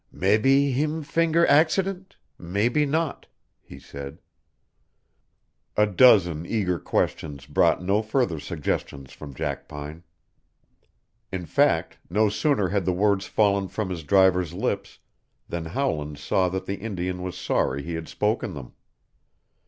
"Mebby heem finger ax'dent mebby not," he said. A dozen eager questions brought no further suggestions from Jackpine. In fact, no sooner had the words fallen from his driver's lips than Howland saw that the Indian was sorry he had spoken them.